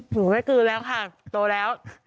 หนูไม่กลืนแล้วค่ะโตแล้ว